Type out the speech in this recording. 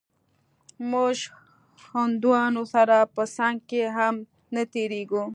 موږ هندوانو سره په څنگ کښې هم نه تېرېږو.